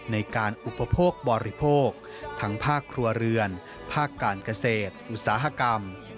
ในการอุปโภคบริโภคทั้งภาคครัวเรือนภาคการเกษตรอุตสาหกรรม